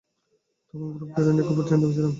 তখন group theory নিয়ে গভীর চিন্তায় ছিলাম।